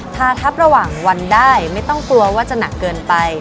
ทาทับระหว่างวันได้ไม่ต้องกลัวว่าจะหนักเกินไป